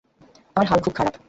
আমার হাল খুব খারাপ!